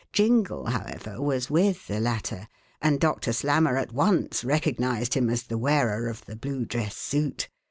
Jingle, however, was with the latter, and Doctor Slammer at once recognized him as the wearer of the blue dress suit.